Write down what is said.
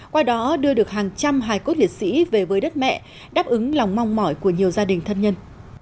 qua đó đưa được hàng trăm hài cốt liệt sĩ về với đất mẹ đáp ứng lòng mong mỏi của nhiều gia đình thân nhân